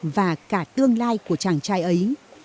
và cả tương lai của chàng trai ở đây